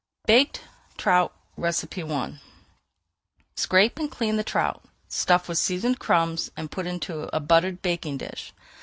BAKED TROUT I Scrape and clean the trout, stuff with seasoned crumbs, and put into a buttered baking dish.